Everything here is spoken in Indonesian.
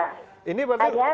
ternyata mereka suka